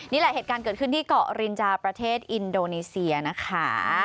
เหตุการณ์เกิดขึ้นที่เกาะรินจาประเทศอินโดนีเซียนะคะ